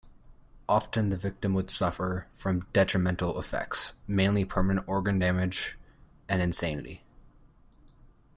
Often the victim would suffer from detrimental effects, mainly permanent organ damage and insanity.